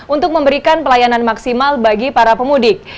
untuk memberikan pelayanan maksimal bagi para pemudik